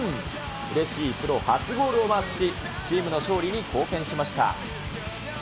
うれしいプロ初ゴールをマークし、チームの勝利に貢献しました。